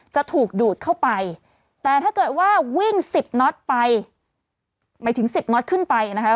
จะถูกดูดเข้าไปแต่ถ้าเกิดว่าวิ่ง๑๐น็อตไปหมายถึงสิบน็อตขึ้นไปนะคะ